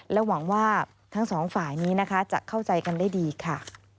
หวังว่าทั้งสองฝ่ายนี้นะคะจะเข้าใจกันได้ดีค่ะ